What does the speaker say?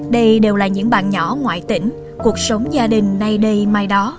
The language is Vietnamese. đây đều là những bạn nhỏ ngoại tỉnh cuộc sống gia đình nay đây mai đó